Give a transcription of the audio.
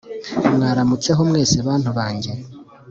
mwaramutseho mwese bantu bange